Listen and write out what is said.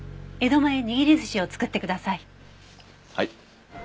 はい。